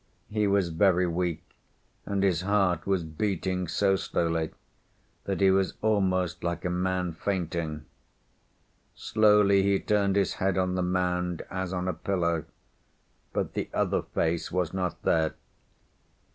He was very weak, and his heart was beating so slowly that he was almost like a man fainting. Slowly he turned his head on the mound, as on a pillow, but the other face was not there.